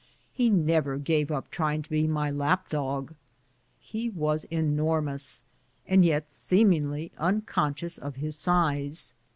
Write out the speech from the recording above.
He never gave np trying to be my lap dog. He was enormous, and yet seemingly un conscious of his size.